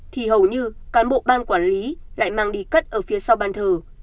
thì hầu như cán bộ ban quản lý lại mang đi cất ở phía sau ban thờ